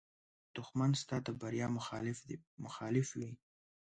دښمن ستا د بریا مخالف وي